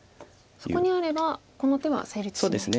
そこにあればこの手は成立しないんですね。